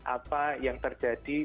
apa yang terjadi